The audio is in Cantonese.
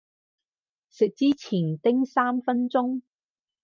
食之前叮三分鐘